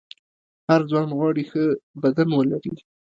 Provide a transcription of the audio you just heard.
هر ځوان غواړي ښه بدن ولري.